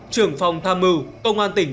trưởng phòng tham mưu công an tỉnh